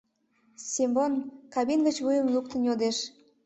— Семон кабин гыч вуйым луктын йодеш.